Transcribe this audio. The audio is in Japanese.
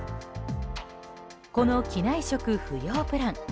この機内食不要プラン。